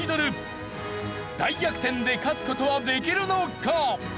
大逆転で勝つ事はできるのか！？